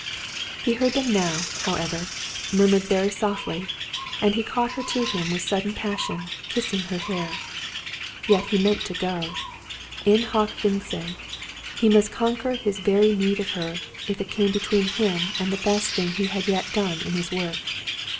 He heard them now, however murmured very softly; and he caught her to him with sudden passion, kissing her hair. Yet he meant to go. In hoc vince. He must conquer his very need of her, if it came between him and the best thing he had yet done in his work.